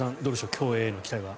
競泳への期待は。